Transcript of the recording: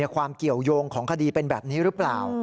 เกี่ยวยงของคดีเป็นแบบนี้หรือเปล่า